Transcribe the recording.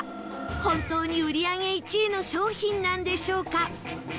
本当に売り上げ１位の商品なんでしょうか？